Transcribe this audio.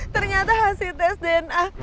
ternyata hasil tes dna